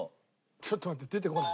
ちょっと待って出てこない。